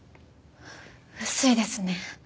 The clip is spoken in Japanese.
薄いですね。